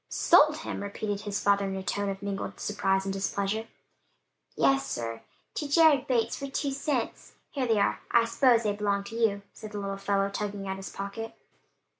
"Sold him?" repeated his father in a tone of mingled surprise and displeasure. "Yes, sir: to Jared Bates, for two cents. Here they are: I s'pose they belong to you," said the little fellow tugging at his pocket.